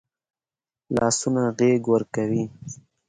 لاسونه غېږ ورکوي